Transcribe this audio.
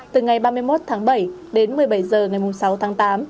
từ ngày ba mươi một tháng bảy đến một mươi bảy h ngày sáu tháng tám